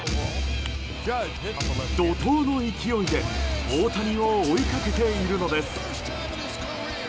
怒濤の勢いで大谷を追いかけているのです。